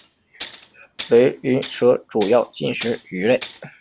瘰鳞蛇主要进食鱼类。